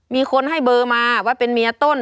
มีคนให้เบอร์มาว่าเป็นเมียต้น